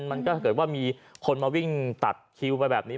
มันก็ถ้าเกิดว่ามีคนมาวิ่งตัดคิวไปแบบนี้